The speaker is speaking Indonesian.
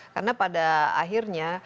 karena pada akhirnya